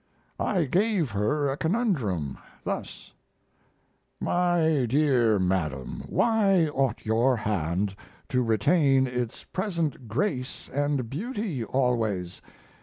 I gave her a conundrum, thus: "My dear madam, why ought your hand to retain its present grace and beauty always?